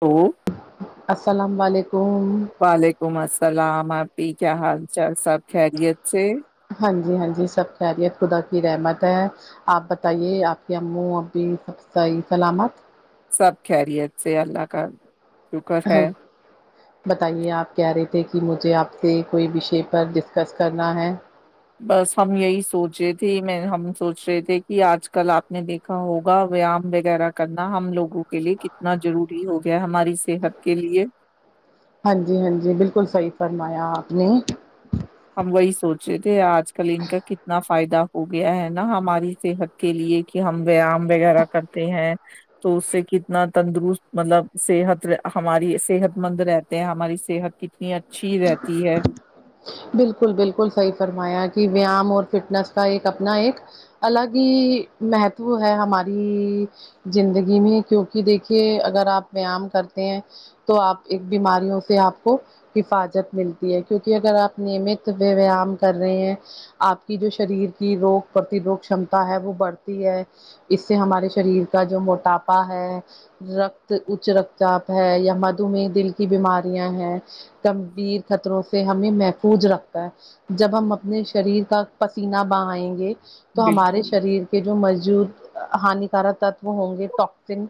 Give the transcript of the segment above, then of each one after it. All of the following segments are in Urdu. تو السلام مالک [unintelligible] وعلیکم السلام ما پیھا ہال چال سب خھل دی سے ہاں جی ہاں جی سب خیریت خدا کی رحمت ہے آپ بتائیے آپ کی امو اب سب صحیح سلامت سب خیریت سے اللہ کر ہاں بتائیے آپ کیا ری کہ مجھے آپ سے کوئی وشے پر ڈسکس کرنا ہے بس ہم یہی سوچ رہے تھے میں ہم سوچ رہے تھے کہ آج کل آپ نے دیکھا ہوگا ویام وغیرہ کرنا ہم لوگوں کے لیے کتنا ضروری ہو گیا ہماری صحت کے لیے ہاں جی ہاں جی بالکل صی فرمایا آپ نے ہم وہی سوچے تھے آج آج کل ان کا کتنا فائدہ ہو گیا ہے نا ہماری صحت کے لیے کہ ہم ویایام وغیرہ کرتے ہیں تو اس سے کتنا تندرست مطلب صحت ہماری صحت مند رہتے ہیں ہماری صحت کتنی اچھی رہتی ہے بالکل بالکل صحیح فرمایا کہ ویام اور فٹنس کا ایک اپنا ایک الگ ہی مہتو ہے ہماری زندگی میں کیوںکہ دیکھیے اگر آپ ویام کرتے ہیں تو آپ ایک بیماریوں سے آپ کو حفاظت ملتی ہے کیونکہ اگر آپ نیمت ویام کر رہے ہیں آپ کی جو شریر کی روگ پرتیروگ کمتا ہے وہ بڑھتی ہے اس سے ہمارے شریر کا جو موٹاپا ہے رکت اچ رکت چاپ ہے یا مدھو م دل کی بیماریاں ہے گمبھیر خطروں سے ہمیں محفوظ رکھتا ہے جب ہم اپنے شریر کا پسینہ بہائیں گے تو ہمارے بالکل شریر کے جو مزجود ہانیکارک تتو ہوں گے ٹکسن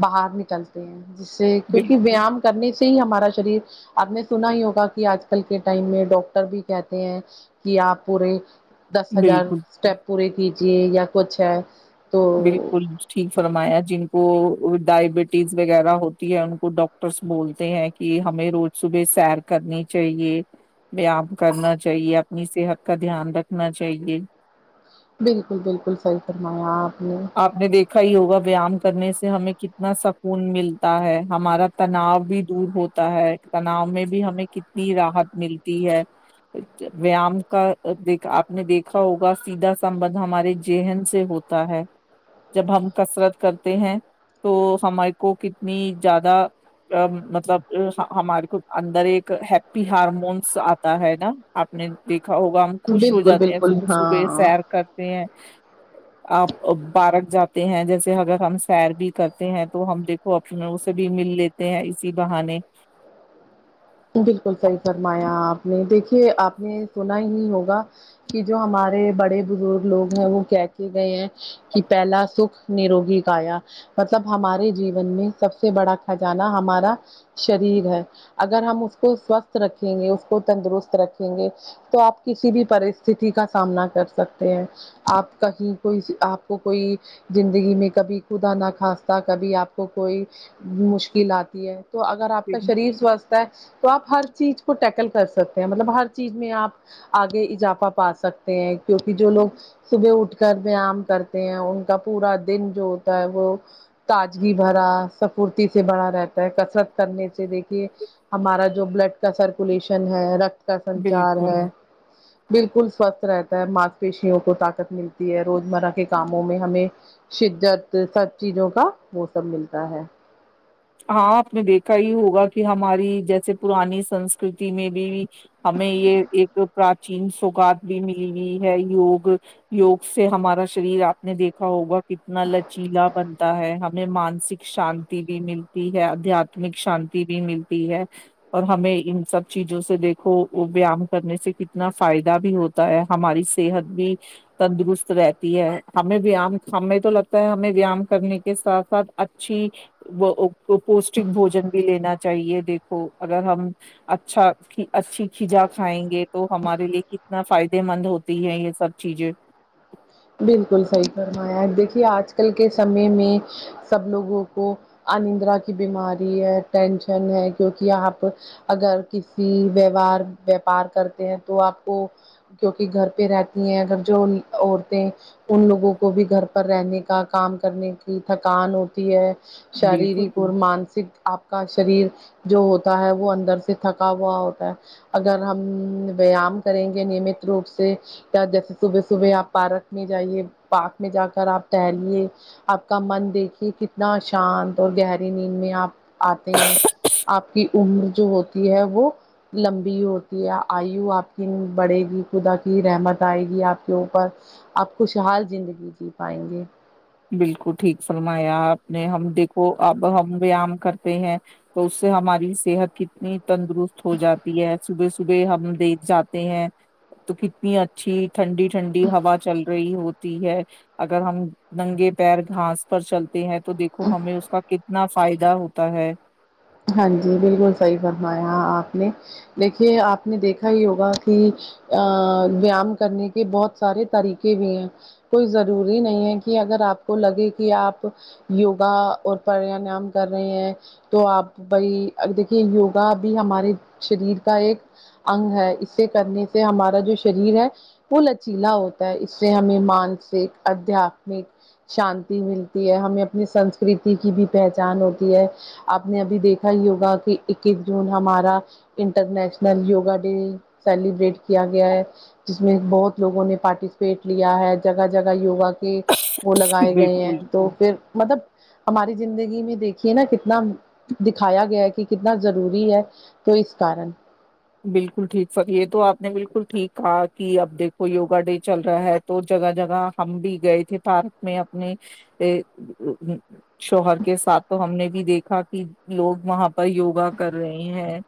باہر نکلتے ہیں جس سے بال کیونکہ ویام کرنے ہی ہمارا شریر آ نے سے سنا ہی ہوگا کہ آج کل کے ٹائم میں ڈاکٹر بھی کہتے ہیں کہ آپ پورے دس ہزار بالکل اسٹپ پوری کیھی جی یا کچھ ہے تو بالکل ٹھیک فرمایا جن کو ڈائبٹیز وغیرہ ہوتی ہے ان کو ڈاکٹرس بولتے ہیں کہ ہمیں روز صبح سیر کرنی چاہیے ویام کرنا چاہیے اپنی صحت کا دھیان رکھنا چاہیے بالکل بالکل سحیح فرمایاپ آپ نے دیکھا ہی ہوگا ویام کرنے سے ہمیں کتنا سکون ملتا ہے ہمارا تناؤ بھی دور ہوتا ہے تناؤ میں بھی ہمیں کتنی راحت ملتی ہے ویام کا دیک آپ نے دیکھا ہوگا سیدھا سبند ہمارے ذہن سے ہوتا ہے جب ہم کثرت کرتے ہیں تو ہمارے کو کتنی زیادہ مطلب ہمارے کو اندر ایک ہیپی ہارمونس آتا ہے نا آپ نے دیک ا ہوگا ہم خوش ہو بالکل جاتے ہیں بالکل صبح صبح ہاں سیر کرتے ہیں آپ بارک جاتے ہیں جیسے اگر ہم سیر بھی کرتے ہیں تو ہم دیکھو اپنے اسے بھی مل لیتے ہیں اسی بہانے بالکل صحیح فرمایا آپ نے دیکھیے آپ نے سنا ہی ہوگا کہ جو ہمارے بڑے بزرگ لوگ ہیں وہ کہ کے گئے ہیں کہ پہلا سکھ نروگی کایا مطلب ہمارے جیون میں سب سے بڑا خزانہ ہمارا شریر ہے اگر ہم اس کو سوستھ رکھیں گے اس کو تندرست رکھیں گے تو آپ کسی بھی پرستھی کا سامنا کر سکتے ہیں آپ کہیں کوئی آپ کو کوئی زندگی میں کبھی کدا نہ کھانستا کبھی آپ کو کوئی مشکل آتی ہے تو اگر آپ کا شریر سوستھ تو آپ ہر چیز کو ٹیکل کر سکتے ہیں مطلب ہر چیز میں آپ آگے اضافہ پا سکتے ہیں کیوںکہ جو لوگ صبح اٹھ کر ویام کرتے ہیں ان کا پورا دن جو ہوتا ہے وہ تجگی بھرا سفورتی سے بڑا رہتا ہے کسرت کرنے سے دیکھیے ہمارا جو بلڈ کا سرکولیشن ہے رک کا سنچار بالکل ہے بالکل سوستھ رہتا ہے ماس پیشیوں کو طاقت ملتی ہے روز مرہ کے کاموں میں ہمیں شدت سب چیزوں کا وہ سب ملتا ہے ہاں آپ نے دیکھا ہی ہوگا کہ ہماری جیسے پرانی سنسکرتی میں بھی ہمیں یہ ایک پراچین سوگات بھی ملئی ہے یوگ یوگ سے ہمارا شریر آپ نے دیکھا ہوگا کتنا لچیلا بنتا ہے ہمیں مانسک شانتی بھی مل آدھتمک شانتی بھی ملتی ہے اور ہمیں ان سب چیزوں سے دیکھو وہ ویام کرنے سے کتنا فائدہ بھی ہوتا ہے ہماری صحت بھی تندرست رہتی ہے ہمیں وم ہمیں تو لگتا ہے ہمیں ویام کرنے کے ساتھ ساتھ اچھی وہ کو پوشٹک بوجن بھی لینا چاہیے دیکھو اگر ہم اچھا اچھی کھجا کھائیں گے تو ہمارے لیے کتنا فائدے مند ہوتی ہے یہ سب چیزیں بالکل صحیح فرمایا دیکھیے آج کل کے سمے میں سب لوگوں کو اندرا کی بیماری ہے ٹینشن ہے کیوںکہ آپ اگر کسی ویوار وپار کرتے ہیں تو آپ کو کیوںکہ گھر پہ رہتی ہیں اگر جو ان لوگوں کو بھی گھر پر رہنے کا کام کرنے کی تھکان ہوتی ہے بالکل شاریرک اور مانسک آپ کا شریر جو ہوتا ہے وہ اندر سے تھکا ہوا ہوتا ہے اگر ہم ویایام کریں گے نیمت روپ سے یا جیسے صبح صبح آپ پارک جائیے پارک میں جا کر آپ ٹہرے آپ کا من دیکھیے کتنا شانت اور گہری نیند میں آپ آتے ہیں آپ کی عمر جو ہوتی ہے وہ لمبی ہوتی ہے آیو آپ کی بڑھے گی خدا کی رحمت آئے گی آپ کے اوپر آپ خوشحال زندگی جی پائیں گے بالکل ٹھیک فرمایا آپ نے ہم دیکھو اب ہم ویایام کرتے ہیں تو اس سے ہماری صحت کتنی تندرست ہو جاتی ہے صبح صبح ہم دیکھ جاتے ہیں تو کتنی اچھی ٹھنڈی ٹھنڈی ہوا چل رہی ہوتی ہے اگر ہم ننگے پیر گھاس پر چلتے ہیں تو دیکھو ہمیں اس کا کتنا فائدہ ہوتا ہے ہاں جی بالکل صحیح فرمایا آپ نے دیکھیے آپ نے دیکھا یوگا کی ویام کرنے کے بہت سارے طریقے بھی ہیں کوئی ضروری نہیں ہے کہ اگر آپ کو لگے کہ آپ یوگا اور پرانیام کر رہے ہیں تو آپ بھائی ا دیکھیے یوگا بھی ہمارے شریر کا ایک انگ ہے اسے کرنے سے ہمارا جو شریر ہے وہ لچیلا ہوتا ہے اس سے ہمیں مانسک ادھیاتمک شانتی ملتی ہے ہمیں اپنی سنسکرتی کی بھی پہچان ہوتی ہے اپ نے بھی دیکھا وگا کہ اکیس جون ہمارا انٹرنیشنل یوگا ڈے سیلیبریٹ کیا گیا ہے جس میں بہت لوگوں نے پارٹیسپیٹ لیا ہے جگہ جگہ یوگا کے وہ لگائے گئے ہیں بالکل تو پھر مطلب ہماری زندگی میں دیکھیے نا کتنا دکھایا گیا ہے کہ کتنا ضروری ہے تو اس کارن بالکل ٹھیک سر یہ تو آپ نے بالکل ٹھیک کہا کہ اب دیکھو یوگا ڈے چل رہا ہے تو جگہ جگہ ہم بھی گئے تھے پارک میں اپنے شوہر کے ساتھ تو ہم نے بھی دیکھا کہ لوگ وہاں پر یوگا کر رہے ہیں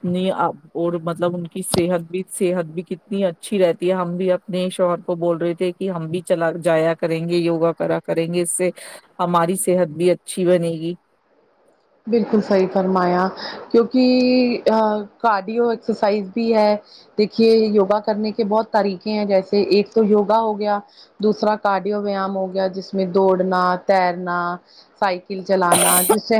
اور مطلب ان کی صحت بھی صحت بھی کتنی اچھی رہتی ہے ہم بھی اپنے شوہر کو بول رہے تھے کہ ہم بھی چلا جایا کریں گے یوگا کرا کریں گے اس سے ہماری صحت بھی اچھی بنے گی بالکل صحیح فرمایا کیونکہ کارڈیو ایکسرسائز بھی ہے دیکھیے یوگا کرنے کے بہت طریقے ہیں جیسے ایک تو یوگا ہو گیا دوسرا کارڈیو ویایام ہو گیا جس میں دوڑنا تیرنا سائیکل چلانا جس سے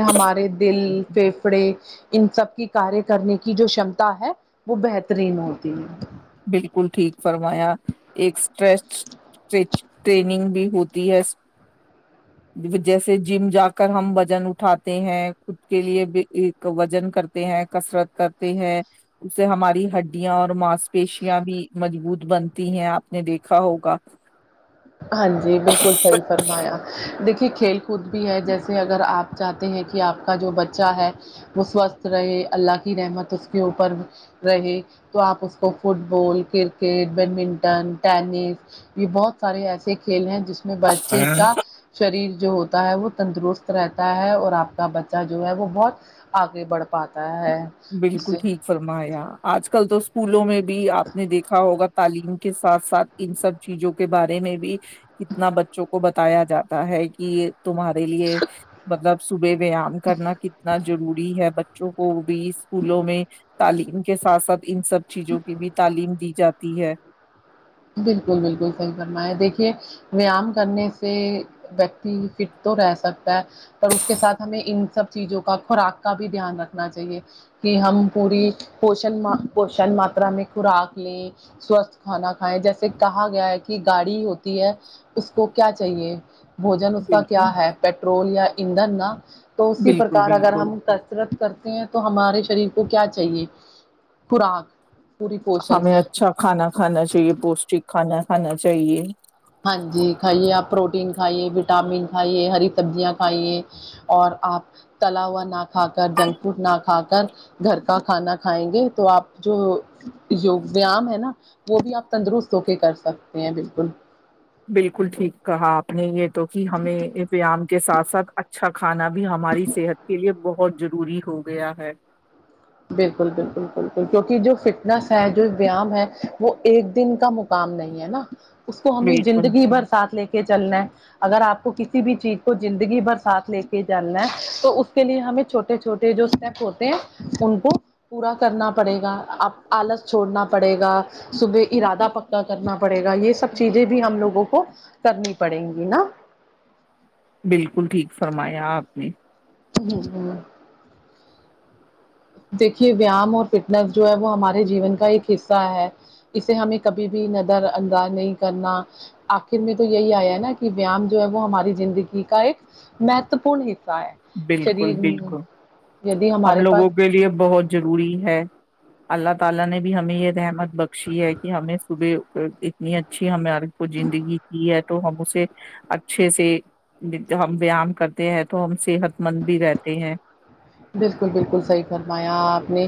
دل فیفڑے ان سب کی کاریہ کرنے کی جومتا ہے وہ بہترین ہوتی ہے بالکل ٹھیک فرمایا ایک س سچ ٹریننگ بھی ہوتی ہے جیسے جم جا کر ہم وزن اٹھاتے ہیں خود کے لیے بھی ایک وزن کرتے ہیں کسرت کرتے ہیں اسے ہماری ہڈیاں اور ماس پیشیاں بھی مضبوط بنتی ہیں آپ نے دیکھا ہوگا ہاں کے کھیل کود بھی ہے جیسے اگر آپ چاہتے ہیں کہ آپ کا جو بچہ ہے وہ سوستھ رہے اللہ کی رحمت اس کے اوپر رہے تو آپ اس کو football cricket badminton tennis یہ بہت سارے ایسے کھیل ہیں جس میں بچے کا شریر جو ہوتا ہے وہ تندرست رہتا ہے اور آپ کا بچہ جو ہے وہ بہت آگے بڑھ پاتا ہے اس بالکل سے ٹھیک فرمایا آج کل تو اسکولوں میں بھی آپ نے دیکھا ہوگا تعلیم کے ساتھ ساتھ ان سب چیزوں کے بارے میں بھی کتنا بچوں کو بتایا جاتا ہے کہ تمہارے لیے مطلب صبح ویام کرنا کتنا ضروری ہے چک بی اسکولوں میں تعلیم کے ساتھ ساتھ ان سب چیزوں کی بھی تعلیم دی جاتی ہے بالکل بالکل صحیح فرما دیکھیے ویام کرنے سے ویکتی فٹ تو رہ سکتا ہے پر اس کے ساتھ ہمیں ان سب چیزوں کا خوراک کا بھی دھیان رکھنا چاہیے کہ ہم پوری پوشن پوشن ماترا میں خوراک لیں سوستھ کھانا جیسے کہا گیا ہے کہ گاڑی ہوتی ہے اس کو کیا چاہیے بوجن اس کا کیا بالکل ہے پیٹرول یا اند نہ تو اسی بالکل پرکار اگر بالکل ہم کثرت کرتے ہیں تو ہمارے شریر کو کیا چاہیے خوراک پوری پوشن ہمیں اچھا کھانا کھانا چاہیے پوشٹک خانا کھانا چاہیے ہاں جی کھائیے آپ پروٹین کھائیے وٹامن کھائیے ہری سبزیاں کھائیے اور آپ تلا ہوا نہ کھا کر جنک فوڈ نہ کھا کر گھر کا کھانا کھائیں گے تو آپ جو یوگ ویام ہے نا وہ بھی آپ تندرست ہو کے کر سکتے ہیں بالکل بالکل ٹھیک کہا آپ نے یہ تو کہ ہمیں ویایام کے ساتھ ساتھ اچھا کھانا بھی ہماری صحت کے لیے بہت بہت ضروری ہو گیا ہے بالکل بالکل بالکل کیونکہ جو فٹنس ہے جو ویام ہے وہ ایک دن کا مقام نہیں ہے نا اس کو ہمیں بالکل زندگی بھر ساتھ لے کے چلنا ہے اگر آپ کو کسی بھی چیز کو زندگی بھر ساتھ لے کے چلنا ہے تو اس کے لیے ہمیں چھوٹے چھوٹے جو اسٹیپ ہوتے ہیں ان کو پورا کرنا پڑے گاب آلس چھوڑنا پڑے گا صبح ارادہ پکا کرنا پڑے گا یہ سب چیزیں بھی ہم لگوں کو کو کرنی پڑیں گی نا بالکل ٹھیک فرمایا آپ نے ہ ہ دیکھیے ویام اور فٹنس جو ہے وہ ہمارے جیون کا ایک حصہ ہے اسے ہمیں کبھی بھی نظر انداز نہیں کرنا آخر میں تو یہی آیا نا کہ ویام جو ہے وہ ہماری زندگی کا ایک مہتوپورن حصہ بالکل بالکل شریر دی ہم ہمارے پاس لوگوں کے لیے بہت ضروری ہے اللہ تعا لا نے بھی ہمیں یہ رحمت بکشی یہ ہے کہ ہمیں صبح اتنی اچھی ہمیں کو زندگی کی ہے تو ہم اسے اچھے سے ہم وم کرتے ہیں تو ہم صحت مند بھی رہتے ہیں بالکل بالکل صحیح فرمایا آپ نے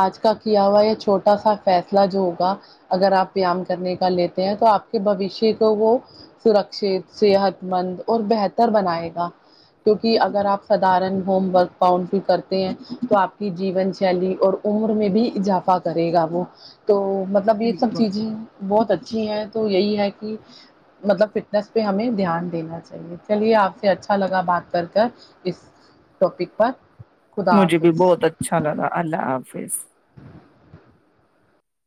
آج کا کیا ہوا یہ چھوٹا سا فیصلہ جو ہوگا اگر آپ ویام کرنے کا لیتے ہیں تو آپ کے بوشیہ کو وہ سرکشت صحت مند اور بہتر بنائے گا کیوںکہ اگر آپ سدارن ہومورک پاؤن کرتے ہیں تو آپ کی جیون شیلی اور عمر میں بھی اضافہ کرے گا وہ تو مطلب یہ سب بالکل چیزیں ہیں بہت اچھی ہے تو یہی ہے کہ مطلب فٹنیس پہ ہمیں دھیان دینا چاہیے چلیے آپ سے اچھا لگا بات کر کر اس ٹاپک پر خدا مجھے بھی حافظ بہت اچھا لگا اللہ حافظ